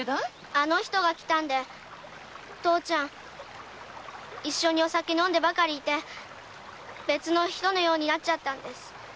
あの人が来たんで父ちゃんは一緒にお酒飲んでばかりいて別の人のようになったんです。